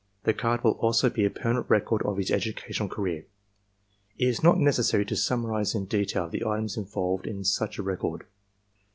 The card will also be a permanent record of his educational career. It is not necessary to summarize in detail the items involved in such a record.